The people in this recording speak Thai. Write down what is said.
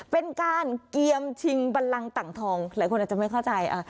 เป็นการเกียมชิงบันลังต่างทองหลายคนอาจจะไม่เข้าใจ